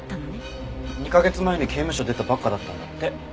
２カ月前に刑務所を出たばっかりだったんだって。